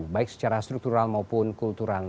baik secara struktural maupun kultural